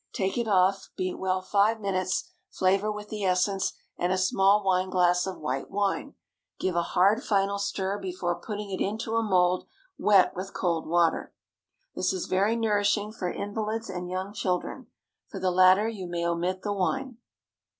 Take it off; beat well five minutes; flavor with the essence and a small wineglass of white wine. Give a hard final stir before putting it into a mould wet with cold water. This is very nourishing for invalids and young children. For the latter you may omit the wine.